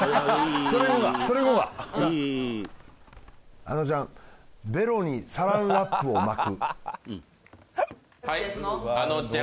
はいあのちゃんベロにサランラップを巻く？